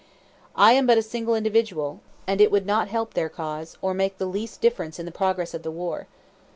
"I am but a single individual, and it would not help their cause, or make the least difference in the progress of the war."